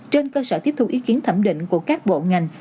trên cơ sở tiếp thu ý kiến thẩm định của các bộ ngành